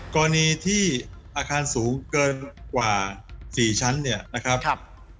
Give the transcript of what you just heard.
กรณีที่อาคารสูงเกินกว่า๔ชั้นเนี่ยนะครับ